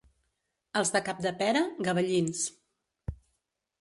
Els de Capdepera, gabellins.